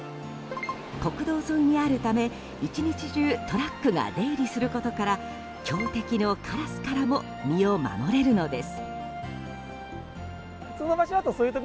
国道沿いにあるため１日中トラックが出入りすることから強敵のカラスからも身を守れるのです。